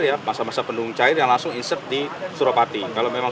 ya pasang pasang pendudung cair yang langsung isek di suropati kalau memang